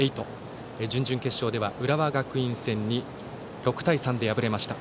準々決勝、浦和学院戦に６対３で敗れました。